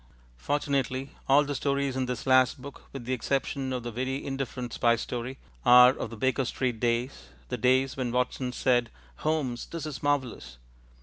Fortunately, all the stories in this last book, with the exception of the very indifferent spy story, are of the Baker Street days, the days when Watson said, "Holmes, this is marvellous!"